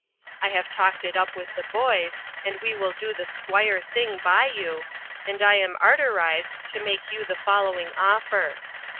I have talked it up with the boys and we will do the squire thing by you and I am arterised to make you the following offer.